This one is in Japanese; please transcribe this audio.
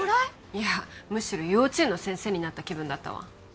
いやむしろ幼稚園の先生になった気分だったわ